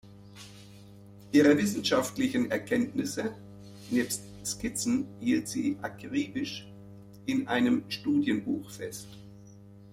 Ihre wissenschaftlichen Erkenntnisse nebst Skizzen hielt sie akribisch in einem „Studienbuch“ fest.